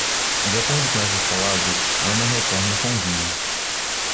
De acordo com essas palavras, Ana retorna com vinho.